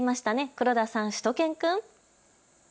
黒田さん、しゅと犬くん。